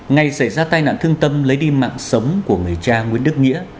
ngày xảy ra tai nạn thương tâm lấy đi mạng sống của người cha nguyễn đức nghĩa